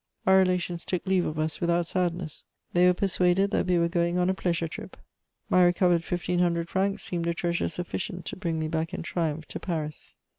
Our relations took leave of us without sadness; they were persuaded that we were going on a pleasure trip. My recovered fifteen hundred francs seemed a treasure sufficient to bring me back in triumph to Paris.